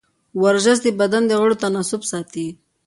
ورزش د بدن د غړو تناسب ساتي.